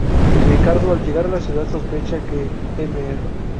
Ricardo al llegar a la ciudad sospecha que Mr.